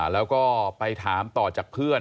แล้วก็ไปถามต่อจากเพื่อน